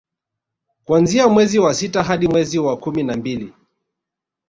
kuanzia mwezi wa sita hadi mwezi wa kumi na mbili